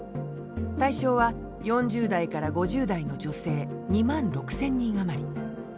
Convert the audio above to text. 対象は４０代から５０代の女性２万６，０００人余り。